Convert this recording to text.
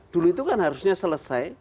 dulu itu kan harusnya selesai